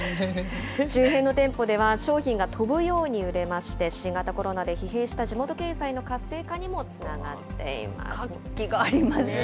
周辺の店舗では、商品が飛ぶように売れまして、新型コロナで疲弊した地元経済の活性化にもつ活気がありますよね。